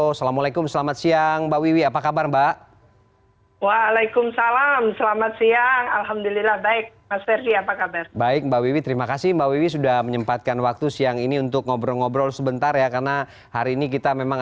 assalamualaikum selamat siang mbak wiwi apa kabar mbak